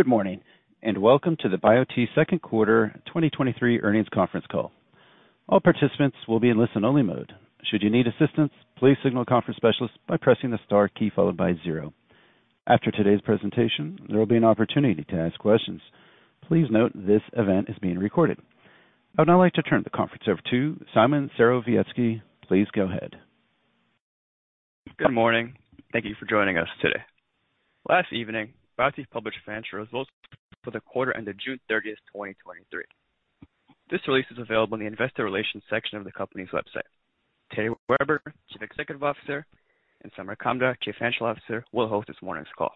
Good morning, welcome to the Biote's second quarter 2023 earnings conference call. All participants will be in listen-only mode. Should you need assistance, please signal a conference specialist by pressing the star key followed by zero. After today's presentation, there will be an opportunity to ask questions. Please note this event is being recorded. I would now like to turn the conference over to Szymon Serowiecki. Please go ahead. Good morning. Thank you for joining us today. Last evening, Biote published financial results for the quarter ended June 30, 2023. This release is available in the investor relations section of the company's website. Terry Weber, Chief Executive Officer, and Samar Kamdar, Chief Financial Officer, will host this morning's call.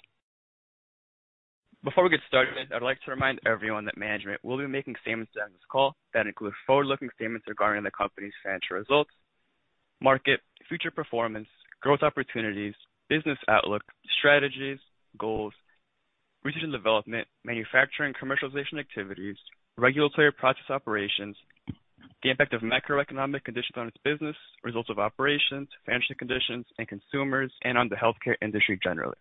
Before we get started, I'd like to remind everyone that management will be making statements during this call that include forward-looking statements regarding the company's financial results, market, future performance, growth opportunities, business outlook, strategies, goals, research and development, manufacturing, commercialization activities, regulatory process operations, the impact of macroeconomic conditions on its business, results of operations, financial conditions and consumers, and on the healthcare industry generally.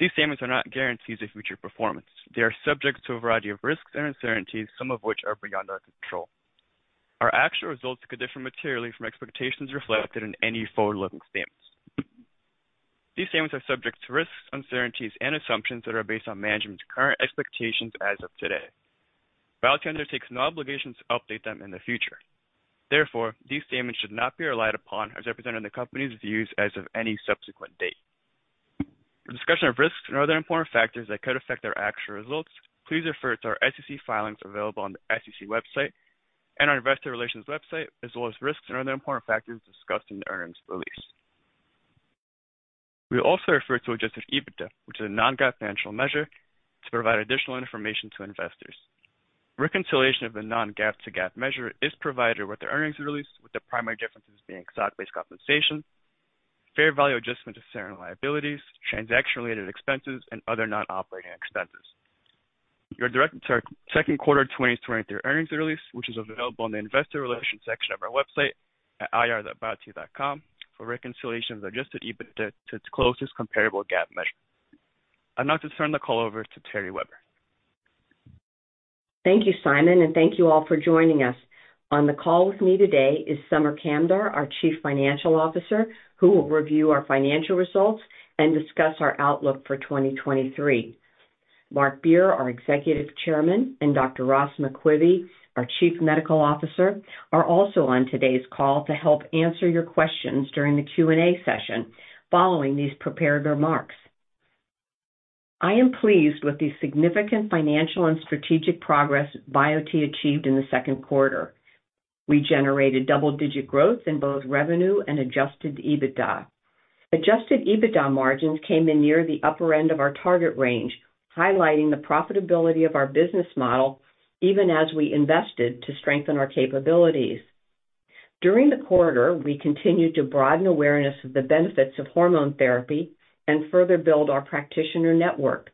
These statements are not guarantees of future performance. They are subject to a variety of risks and uncertainties, some of which are beyond our control. Our actual results could differ materially from expectations reflected in any forward-looking statements. These statements are subject to risks, uncertainties, and assumptions that are based on management's current expectations as of today. Biote undertakes no obligation to update them in the future. Therefore, these statements should not be relied upon as represented in the company's views as of any subsequent date. For a discussion of risks and other important factors that could affect our actual results, please refer to our SEC filings available on the SEC website and our investor relations website, as well as risks and other important factors discussed in the earnings release. We also refer to adjusted EBITDA, which is a non-GAAP financial measure to provide additional information to investors. Reconciliation of the non-GAAP to GAAP measure is provided with the earnings release, with the primary differences being stock-based compensation, fair value adjustment to certain liabilities, transaction-related expenses, and other non-operating expenses. You're directed to our second quarter of 2023 earnings release, which is available on the investor relations section of our website at ir.biote.com for reconciliations adjusted EBITDA to its closest comparable GAAP measure. I'd now like to turn the call over to Terry Weber. Thank you, Szymon. Thank you all for joining us. On the call with me today is Samar Kamdar, our Chief Financial Officer, who will review our financial results and discuss our outlook for 2023. Marc Beer, our Executive Chairman, and Dr. Ross McQuivey, our Chief Medical Officer, are also on today's call to help answer your questions during the Q&A session following these prepared remarks. I am pleased with the significant financial and strategic progress Biote achieved in the second quarter. We generated double-digit growth in both revenue and adjusted EBITDA. Adjusted EBITDA margins came in near the upper end of our target range, highlighting the profitability of our business model even as we invested to strengthen our capabilities. During the quarter, we continued to broaden awareness of the benefits of hormone therapy and further build our practitioner network.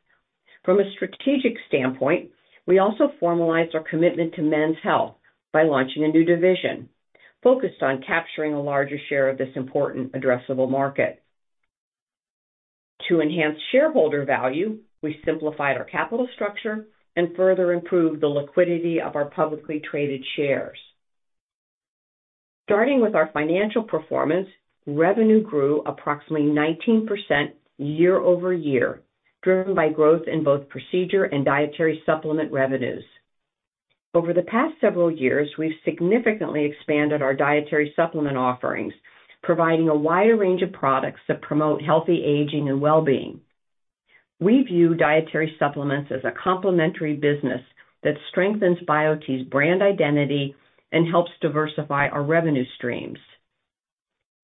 From a strategic standpoint, we also formalized our commitment to men's health by launching a new division focused on capturing a larger share of this important addressable market. To enhance shareholder value, we simplified our capital structure and further improved the liquidity of our publicly traded shares. Starting with our financial performance, revenue grew approximately 19% year-over-year, driven by growth in both procedure and dietary supplement revenues. Over the past several years, we've significantly expanded our dietary supplement offerings, providing a wider range of products that promote healthy aging and well-being. We view dietary supplements as a complementary business that strengthens Biote's brand identity and helps diversify our revenue streams.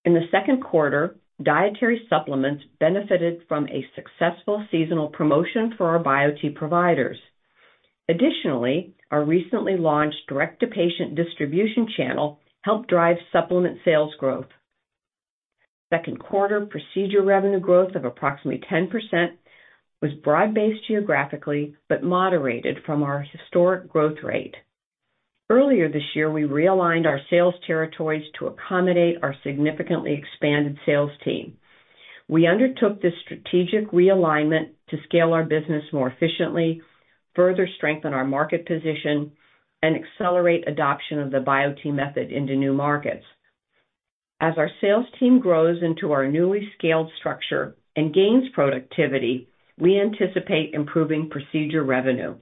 In the second quarter, dietary supplements benefited from a successful seasonal promotion for our Biote providers. Additionally, our recently launched direct-to-patient distribution channel helped drive supplement sales growth. Second quarter procedure revenue growth of approximately 10% was broad-based geographically, but moderated from our historic growth rate. Earlier this year, we realigned our sales territories to accommodate our significantly expanded sales team. We undertook this strategic realignment to scale our business more efficiently, further strengthen our market position, and accelerate adoption of the Biote Method into new markets. As our sales team grows into our newly scaled structure and gains productivity, we anticipate improving procedure revenue.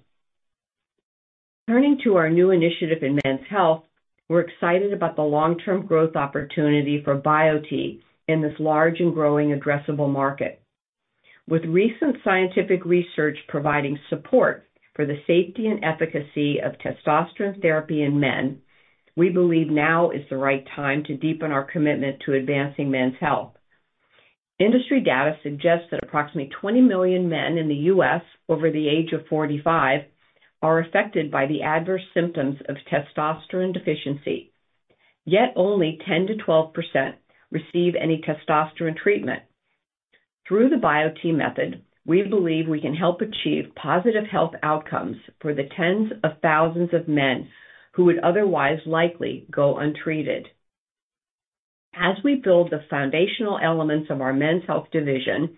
Turning to our new initiative in men's health, we're excited about the long-term growth opportunity for Biote in this large and growing addressable market. With recent scientific research providing support for the safety and efficacy of testosterone therapy in men, we believe now is the right time to deepen our commitment to advancing men's health. Industry data suggests that approximately 20 million men in the U.S. over the age of 45 are affected by the adverse symptoms of testosterone deficiency, yet only 10%-12% receive any testosterone treatment. Through the Biote Method, we believe we can help achieve positive health outcomes for the tens of thousands of men who would otherwise likely go untreated. As we build the foundational elements of our men's health division,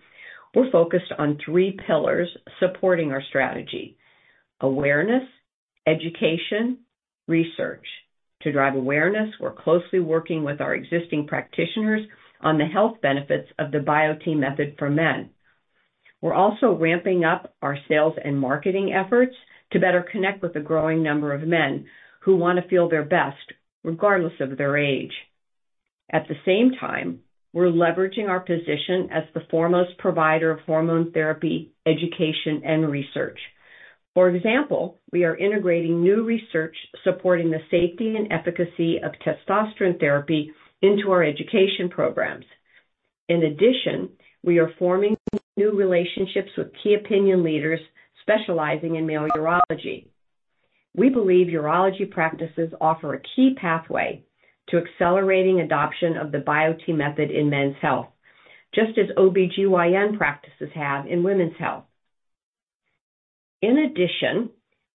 we're focused on three pillars supporting our strategy: awareness, education, research. To drive awareness, we're closely working with our existing practitioners on the health benefits of the Biote Method for men. We're also ramping up our sales and marketing efforts to better connect with the growing number of men who want to feel their best, regardless of their age. At the same time, we're leveraging our position as the foremost provider of hormone therapy, education, and research. For example, we are integrating new research supporting the safety and efficacy of testosterone therapy into our education programs. In addition, we are forming new relationships with key opinion leaders specializing in male urology. We believe urology practices offer a key pathway to accelerating adoption of the Biote Method in men's health, just as OB/GYN practices have in women's health. In addition,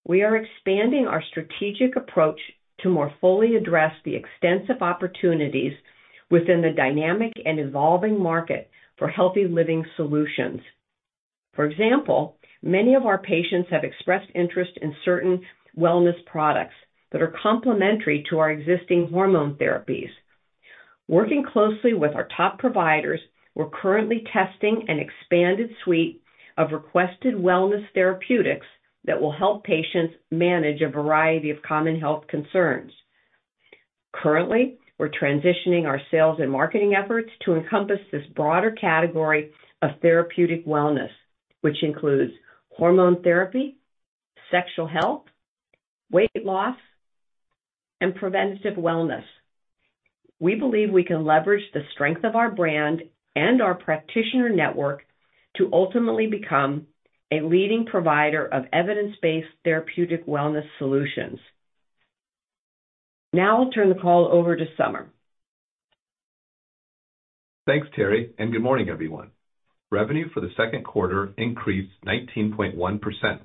we are expanding our strategic approach to more fully address the extensive opportunities within the dynamic and evolving market for healthy living solutions. For example, many of our patients have expressed interest in certain wellness products that are complementary to our existing hormone therapies. Working closely with our top providers, we're currently testing an expanded suite of requested wellness therapeutics that will help patients manage a variety of common health concerns. Currently, we're transitioning our sales and marketing efforts to encompass this broader category of therapeutic wellness, which includes hormone therapy, sexual health, weight loss, and preventative wellness. We believe we can leverage the strength of our brand and our practitioner network to ultimately become a leading provider of evidence-based therapeutic wellness solutions. Now I'll turn the call over to Samar. Thanks, Terry, and good morning, everyone. Revenue for the second quarter increased 19.1%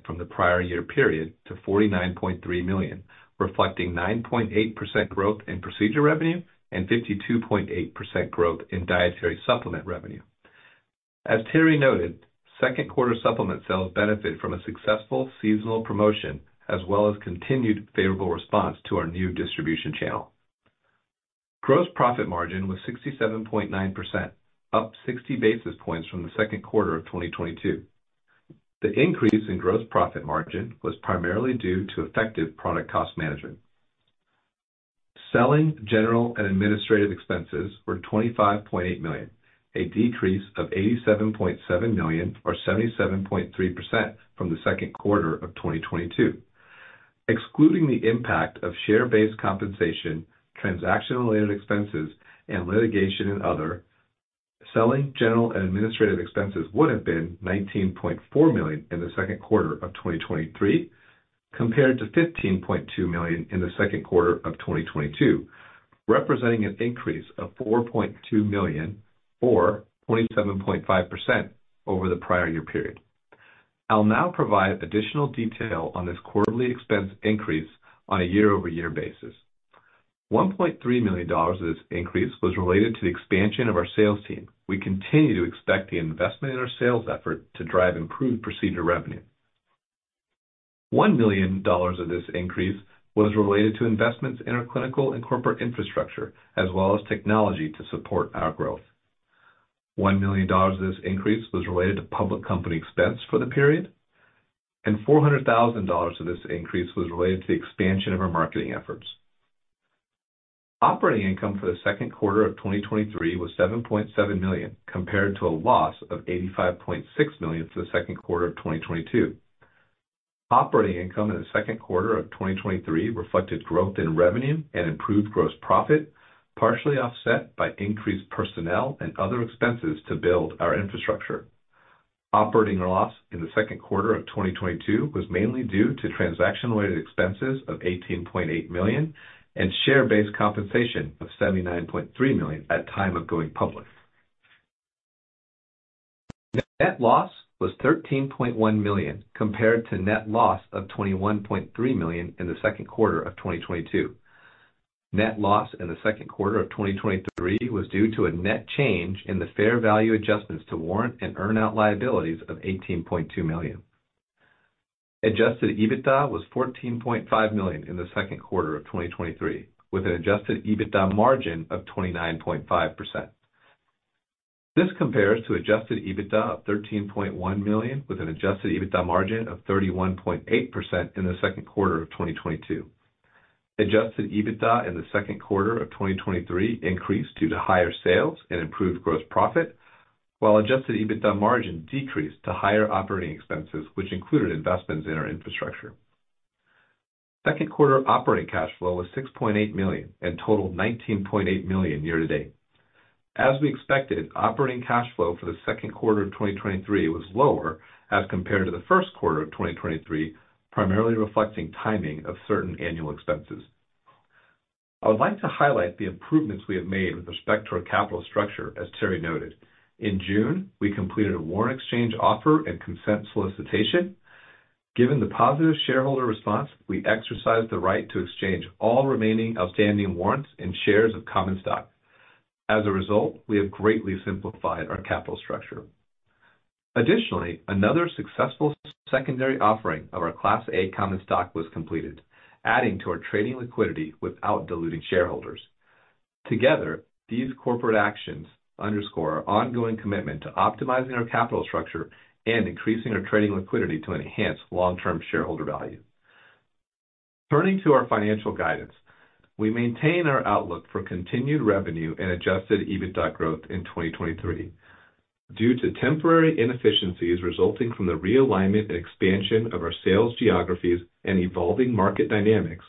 from the prior year period to $49.3 million, reflecting 9.8% growth in procedure revenue and 52.8% growth in dietary supplement revenue. As Terry noted, second quarter supplement sales benefited from a successful seasonal promotion, as well as continued favorable response to our new distribution channel. Gross profit margin was 67.9%, up 60 basis points from the second quarter of 2022. The increase in gross profit margin was primarily due to effective product cost management. Selling, general, and administrative expenses were $25.8 million, a decrease of $87.7 million, or 77.3% from the second quarter of 2022. Excluding the impact of share-based compensation, transactional and expenses, and litigation and other, selling, general and administrative expenses would have been $19.4 million in the second quarter of 2023, compared to $15.2 million in the second quarter of 2022, representing an increase of $4.2 million or 27.5% over the prior year period. I'll now provide additional detail on this quarterly expense increase on a year-over-year basis. $1.3 million of this increase was related to the expansion of our sales team. We continue to expect the investment in our sales effort to drive improved procedure revenue. $1 million of this increase was related to investments in our clinical and corporate infrastructure, as well as technology to support our growth. $1 million of this increase was related to public company expense for the period, and $400,000 of this increase was related to the expansion of our marketing efforts. Operating income for the second quarter of 2023 was $7.7 million, compared to a loss of $85.6 million for the second quarter of 2022. Operating income in the second quarter of 2023 reflected growth in revenue and improved gross profit, partially offset by increased personnel and other expenses to build our infrastructure. Operating loss in the second quarter of 2022 was mainly due to transaction-related expenses of $18.8 million and share-based compensation of $79.3 million at time of going public. Net loss was $13.1 million, compared to net loss of $21.3 million in the second quarter of 2022. Net loss in the second quarter of 2023 was due to a net change in the fair value adjustments to warrant and earn-out liabilities of $18.2 million. Adjusted EBITDA was $14.5 million in the second quarter of 2023, with an adjusted EBITDA margin of 29.5%. This compares to adjusted EBITDA of $13.1 million, with an adjusted EBITDA margin of 31.8% in the second quarter of 2022. Adjusted EBITDA in the second quarter of 2023 increased due to higher sales and improved gross profit, while adjusted EBITDA margin decreased to higher operating expenses, which included investments in our infrastructure. Second quarter operating cash flow was $6.8 million and totaled $19.8 million year to date. As we expected, operating cash flow for the second quarter of 2023 was lower as compared to the first quarter of 2023, primarily reflecting timing of certain annual expenses. I would like to highlight the improvements we have made with respect to our capital structure, as Terry noted. In June, we completed a warrant exchange offer and consent solicitation. Given the positive shareholder response, we exercised the right to exchange all remaining outstanding warrants and shares of common stock. As a result, we have greatly simplified our capital structure. Additionally, another successful secondary offering of our Class A common stock was completed, adding to our trading liquidity without diluting shareholders. Together, these corporate actions underscore our ongoing commitment to optimizing our capital structure and increasing our trading liquidity to enhance long-term shareholder value. Turning to our financial guidance, we maintain our outlook for continued revenue and adjusted EBITDA growth in 2023. Due to temporary inefficiencies resulting from the realignment and expansion of our sales geographies and evolving market dynamics,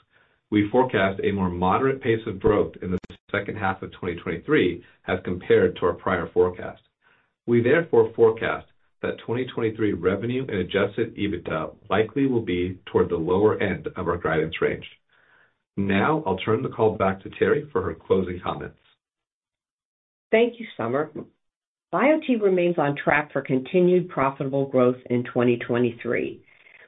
we forecast a more moderate pace of growth in the second half of 2023 as compared to our prior forecast. We therefore forecast that 2023 revenue and adjusted EBITDA likely will be toward the lower end of our guidance range. Now I'll turn the call back to Terry for her closing comments. Thank you, Samar. Biote remains on track for continued profitable growth in 2023.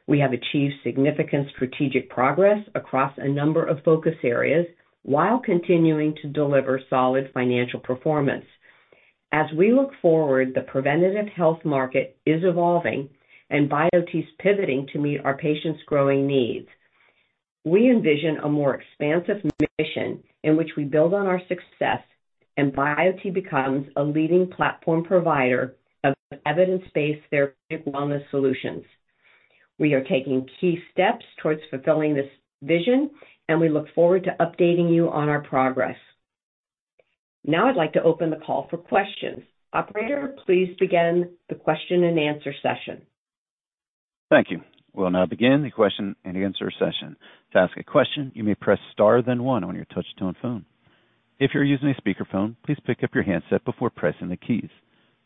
We have achieved significant strategic progress across a number of focus areas while continuing to deliver solid financial performance. As we look forward, the preventative health market is evolving, and Biote is pivoting to meet our patients' growing needs. We envision a more expansive mission in which we build on our success and Biote becomes a leading platform provider of evidence-based therapeutic wellness solutions. We are taking key steps towards fulfilling this vision, and we look forward to updating you on our progress. Now I'd like to open the call for questions. Operator, please begin the question-and-answer session. Thank you. We'll now begin the question-and-answer session. To ask a question, you may press star then one on your touchtone phone. If you're using a speakerphone, please pick up your handset before pressing the keys.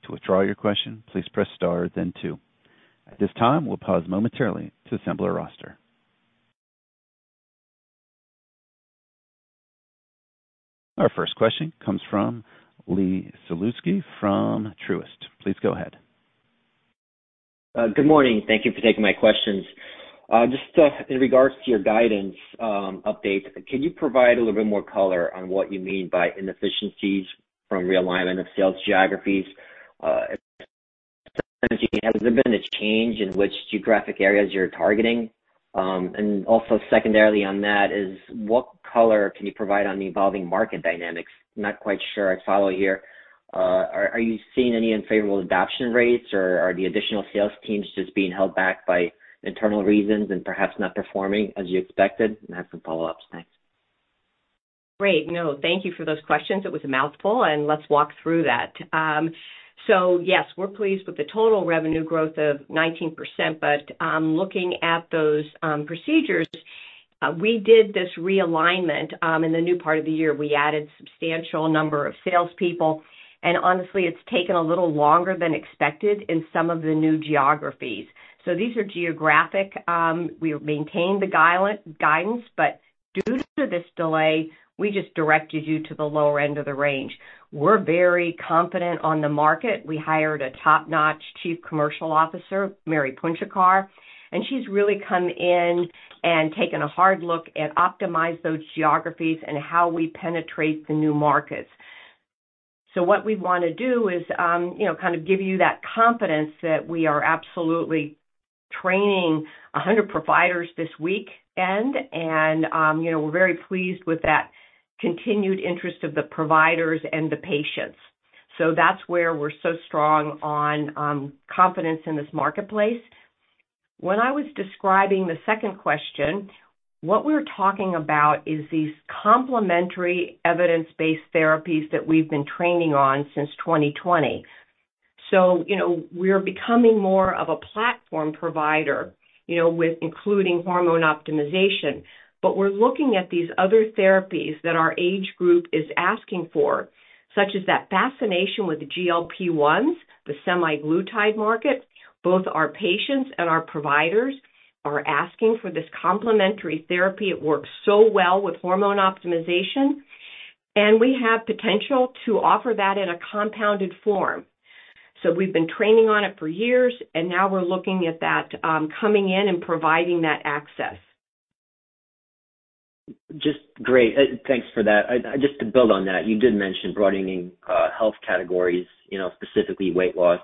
To withdraw your question, please press star then two. At this time, we'll pause momentarily to assemble our roster. Our first question comes from Les Sulewski from Truist Securities. Please go ahead. d welcome to our Q3 earnings call. Today, we'll be discussing our financial performance, strategic initiatives, and outlook for the remainder of the year. We'll also provide an update on our recent product launches and market expansion efforts. Following our presentation, we'll open the floor for your questions. Thank you for joining us. Great. No, thank you for those questions. It was a mouthful, and let's walk through that. Yes, we're pleased with the total revenue growth of 19%, but looking at those procedures, we did this realignment in the new part of the year. We added substantial number of salespeople, and honestly, it's taken a little longer than expected in some of the new geographies. These are geographic. We maintained the guile- guidance, but due to this delay, we just directed you to the lower end of the range. We're very confident on the market. We hired a top-notch Chief Commercial Officer, Mary J. Puncochar, and she's really come in and taken a hard look at optimize those geographies and how we penetrate the new markets. What we want to do is, you know, kind of give you that confidence that we are absolutely training 100 providers this week, end, and, you know, we're very pleased with that continued interest of the providers and the patients. That's where we're so strong on confidence in this marketplace. When I was describing the second question, what we're talking about is these complementary evidence-based therapies that we've been training on since 2020. You know, we're becoming more of a platform provider, you know, with including hormone optimization. We're looking at these other therapies that our age group is asking for, such as that fascination with the GLP-1, the semaglutide market. Both our patients and our providers are asking for this complementary therapy. It works so well with hormone optimization, and we have potential to offer that in a compounded form. We've been training on it for years, and now we're looking at that, coming in and providing that access. Just great. Thanks for that. just to build on that, you did mention broadening, health categories, you know, specifically weight loss,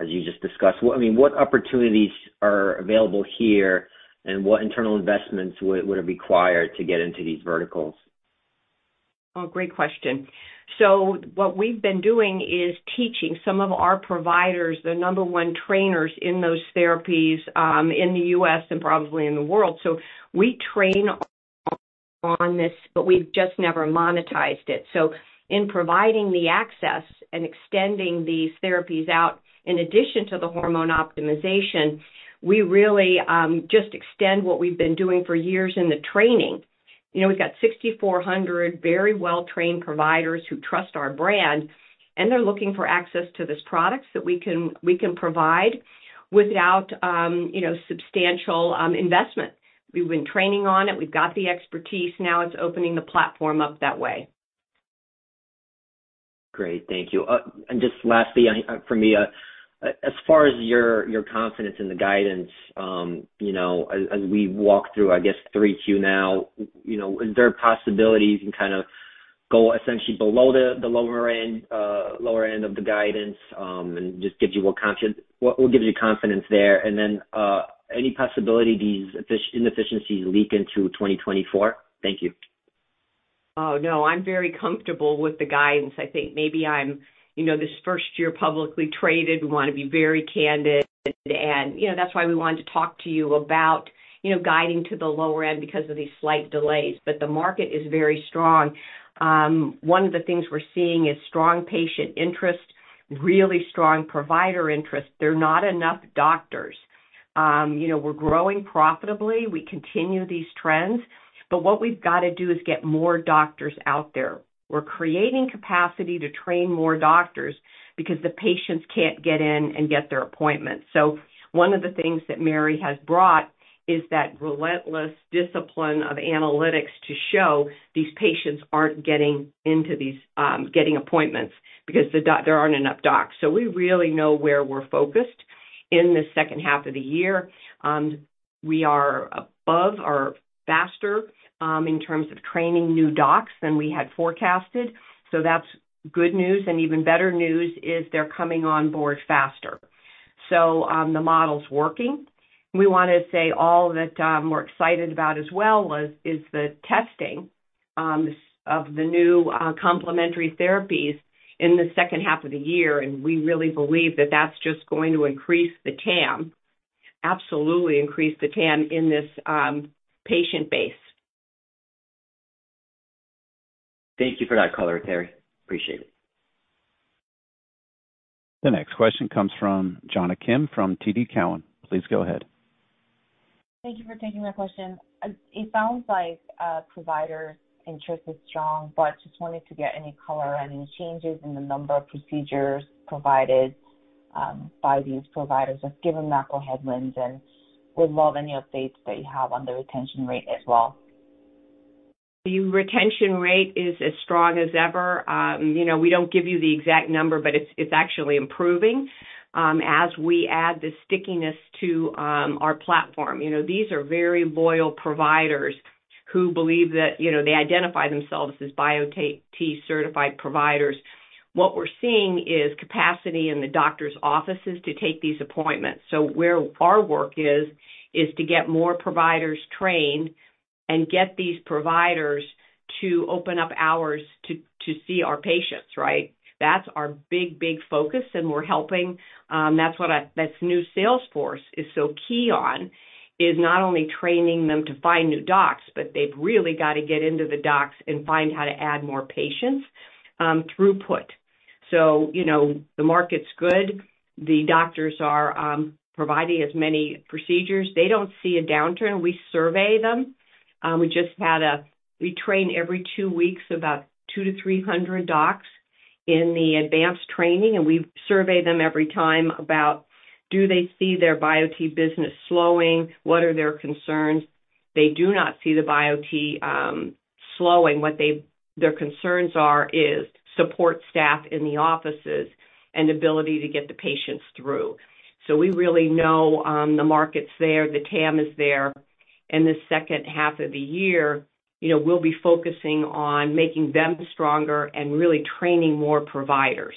as you just discussed. What I mean, what opportunities are available here, and what internal investments would, would it require to get into these verticals? Oh, great question. What we've been doing is teaching some of our providers, the number one trainers in those therapies, in the U.S. and probably in the world. We train on this, but we've just never monetized it. In providing the access and extending these therapies out, in addition to the hormone optimization, we really just extend what we've been doing for years in the training. You know, we've got 6,400 very well-trained providers who trust our brand, and they're looking for access to this product that we can, we can provide without, you know, substantial investment. We've been training on it. We've got the expertise. Now it's opening the platform up that way. Great. Thank you. And just lastly, for me, as far as your confidence in the guidance, you know, as we walk through, I guess, 3Q now, you know, is there a possibility you can kind of go essentially below the lower end, lower end of the guidance, and just gives you more confidence? What, what gives you confidence there? Then any possibility these inefficiencies leak into 2024? Thank you. Oh, no, I'm very comfortable with the guidance. I think maybe I'm, you know, this first year publicly traded, we wanna be very candid and, you know, that's why we wanted to talk to you about, you know, guiding to the lower end because of these slight delays. The market is very strong. One of the things we're seeing is strong patient interest, really strong provider interest. There are not enough doctors. You know, we're growing profitably. We continue these trends, but what we've got to do is get more doctors out there. We're creating capacity to train more doctors because the patients can't get in and get their appointments. One of the things that Mary has brought is that relentless discipline of analytics to show these patients aren't getting into these, getting appointments because there aren't enough docs. We really know where we're focused in the second half of the year. We are above or faster in terms of training new docs than we had forecasted, so that's good news. Even better news is they're coming on board faster. The model's working. We wanna say all that we're excited about as well is, is the testing of the new complementary therapies in the second half of the year, and we really believe that that's just going to increase the TAM. Absolutely increase the TAM in this patient base. Thank you for that color, Terry. Appreciate it. The next question comes from Jonna Kim from TD Cowen. Please go ahead. Thank you for taking my question. It sounds like provider interest is strong, but just wanted to get any color on any changes in the number of procedures provided, by these providers, just given the macro headwinds, and would love any updates that you have on the retention rate as well. The retention rate is as strong as ever. You know, we don't give you the exact number, but it's, it's actually improving as we add the stickiness to our platform. You know, these are very loyal providers who believe that, you know, they identify themselves as Biote certified providers. What we're seeing is capacity in the doctor's offices to take these appointments. Where our work is, is to get more providers trained and get these providers to open up hours to, to see our patients, right? That's our big, big focus, and we're helping. That's what that's new Salesforce is so key on, is not only training them to find new docs, but they've really got to get into the docs and find how to add more patients throughput. You know, the market's good. The doctors are providing as many procedures. They don't see a downturn. We survey them. We just had We train every two weeks, about 200-300 docs in the advanced training, and we survey them every time about, do they see their Biote business slowing? What are their concerns? They do not see the Biote slowing. What their concerns are, is support staff in the offices and ability to get the patients through. We really know the market's there, the TAM is there, and the second half of the year, you know, we'll be focusing on making them stronger and really training more providers.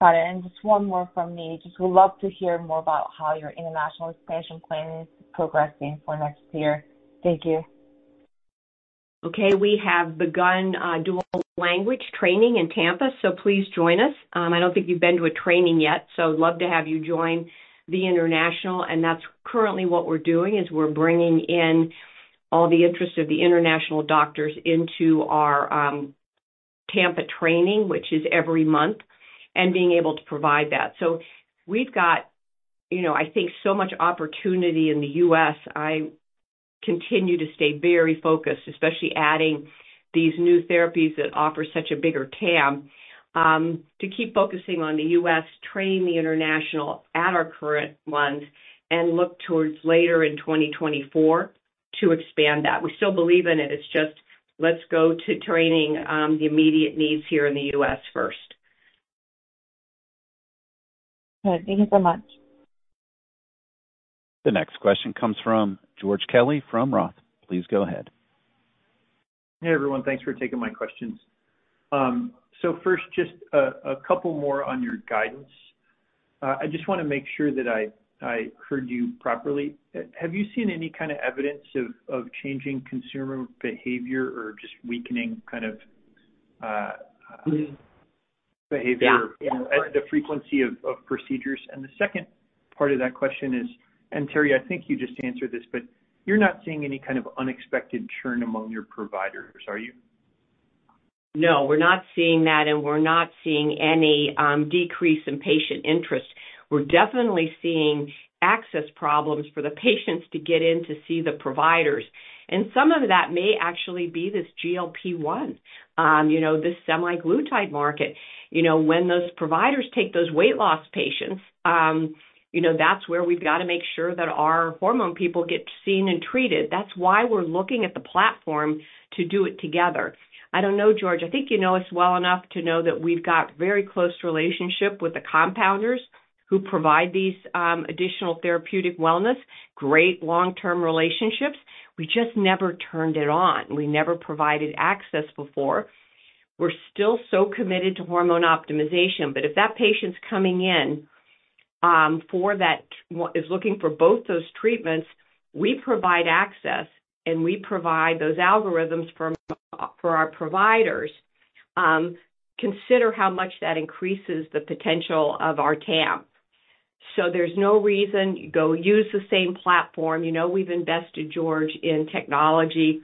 Got it. Just one more from me. Just would love to hear more about how your international expansion plan is progressing for next year. Thank you. Okay. We have begun dual language training in Tampa, so please join us. I don't think you've been to a training yet, so I'd love to have you join the international. That's currently what we're doing, is we're bringing in all the interests of the international doctors into our Tampa training, which is every month, and being able to provide that. We've got, you know, I think, so much opportunity in the U.S. I continue to stay very focused, especially adding these new therapies that offer such a bigger TAM, to keep focusing on the U.S., train the international at our current month, and look towards later in 2024 to expand that. We still believe in it. It's just let's go to training the immediate needs here in the U.S. first. All right. Thank you so much. The next question comes from George Kelly from ROTH. Please go ahead. Hey, everyone. Thanks for taking my questions. first, just a couple more on your guidance. I just wanna make sure that I, I heard you properly. Have you seen any kind of evidence of, of changing consumer behavior or just weakening kind of, behavior? Yeah. The frequency of, of procedures. The second part of that question is, and Terry, I think you just answered this, but you're not seeing any kind of unexpected churn among your providers, are you? No, we're not seeing that, and we're not seeing any decrease in patient interest. We're definitely seeing access problems for the patients to get in to see the providers, and some of that may actually be this GLP-1, you know, this semaglutide market. You know, when those providers take those weight loss patients, you know, that's where we've got to make sure that our hormone people get seen and treated. That's why we're looking at the platform to do it together. I don't know, George. I think you know us well enough to know that we've got very close relationship with the compounders, who provide these additional therapeutic wellness, great long-term relationships. We just never turned it on. We never provided access before. We're still so committed to hormone optimization, if that patient's coming in, for that, well, is looking for both those treatments, we provide access, and we provide those algorithms for, for our providers. Consider how much that increases the potential of our TAM. There's no reason, go use the same platform. You know, we've invested, George, in technology.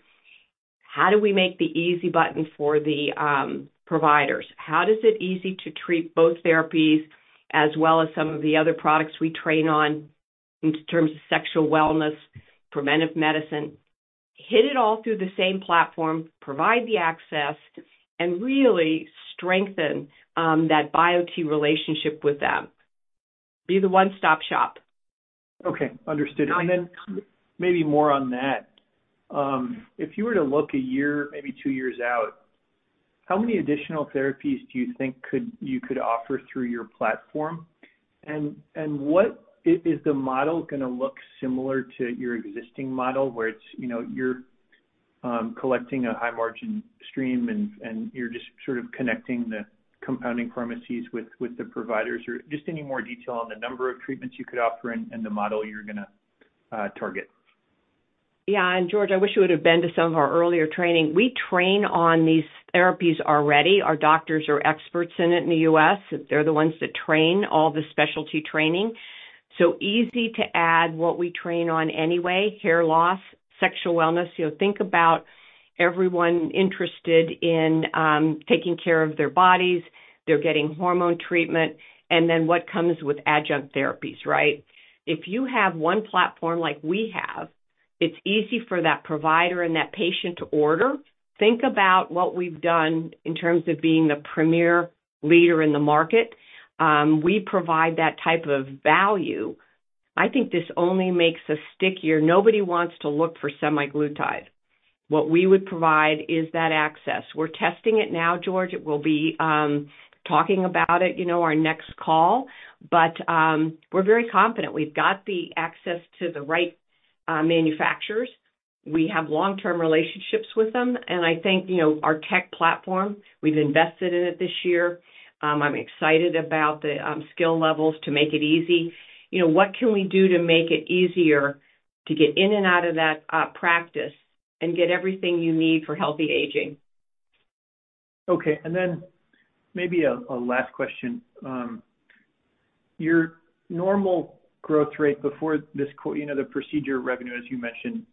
How do we make the easy button for the providers? How does it easy to treat both therapies as well as some of the other products we train on in terms of sexual wellness, preventive medicine? Hit it all through the same platform, provide the access, really strengthen that Biote relationship with them. Be the one-stop shop. Okay, understood. Got it. Then maybe more on that. If you were to look a year, maybe two years out, how many additional therapies do you think you could offer through your platform? Is the model going to look similar to your existing model, where it's, you know, you're collecting a high margin stream and you're just sort of connecting the compounding pharmacies with the providers? Just any more detail on the number of treatments you could offer and the model you're going to target. Yeah, George, I wish you would have been to some of our earlier training. We train on these therapies already. Our doctors are experts in it in the U.S. They're the ones that train all the specialty training. Easy to add what we train on anyway: hair loss, sexual wellness. You know, think about everyone interested in taking care of their bodies. They're getting hormone treatment, then what comes with adjunct therapies, right? If you have one platform like we have, it's easy for that provider and that patient to order. Think about what we've done in terms of being the premier leader in the market. We provide that type of value. I think this only makes us stickier. Nobody wants to look for semaglutide. What we would provide is that access. We're testing it now, George. It will be talking about it, you know, our next call. We're very confident. We've got the access to the right manufacturers. We have long-term relationships with them, and I think, you know, our tech platform, we've invested in it this year. I'm excited about the skill levels to make it easy. You know, what can we do to make it easier to get in and out of that practice and get everything you need for healthy aging? Okay, then maybe a last question. Your normal growth rate before this quarter, you know, the procedure revenue, as you mentioned,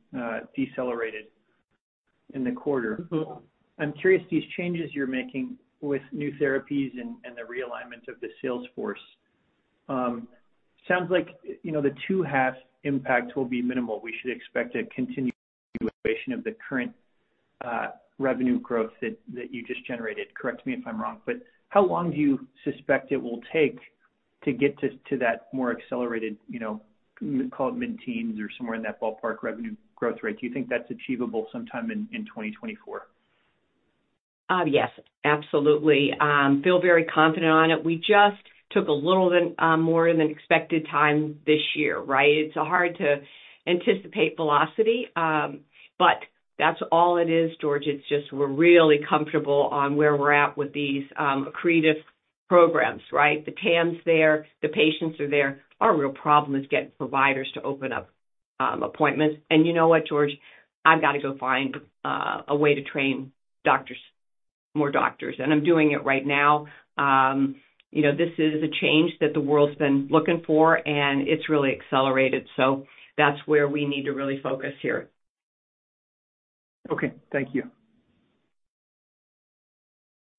decelerated in the quarter. I'm curious, these changes you're making with new therapies and the realignment of the sales force, sounds like, you know, the two halves impact will be minimal. We should expect a continuation of the current revenue growth that you just generated. Correct me if I'm wrong, but how long do you suspect it will take to get to that more accelerated, you know, call it mid-teens or somewhere in that ballpark revenue growth rate? Do you think that's achievable sometime in 2024? Yes, absolutely. Feel very confident on it. We just took a little bit more than expected time this year, right? It's hard to anticipate velocity, that's all it is, George. It's just, we're really comfortable on where we're at with these accretive programs, right? The TAM's there, the patients are there. Our real problem is getting providers to open up appointments. You know what, George? I've got to go find a way to train doctors, more doctors, and I'm doing it right now. You know, this is a change that the world's been looking for, and it's really accelerated, that's where we need to really focus here. Okay, thank you.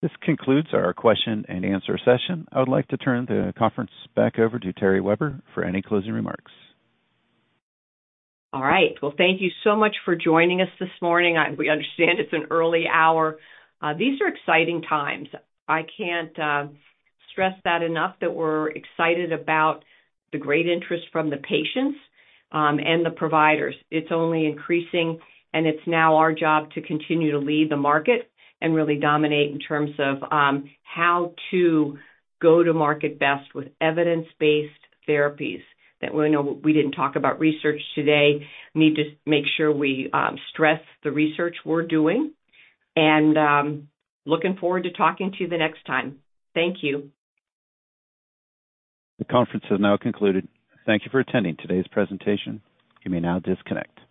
This concludes our question and answer session. I would like to turn the conference back over to Terry Weber for any closing remarks. All right. Well, thank you so much for joining us this morning. I-- we understand it's an early hour. These are exciting times. I can't stress that enough, that we're excited about the great interest from the patients and the providers. It's only increasing, and it's now our job to continue to lead the market and really dominate in terms of how to go to market best with evidence-based therapies. That we know we didn't talk about research today. Need to make sure we stress the research we're doing, and looking forward to talking to you the next time. Thank you. The conference has now concluded. Thank you for attending today's presentation. You may now disconnect.